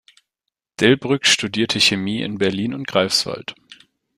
Delbrück studierte Chemie in Berlin und Greifswald.